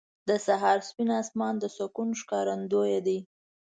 • د سهار سپین اسمان د سکون ښکارندوی دی.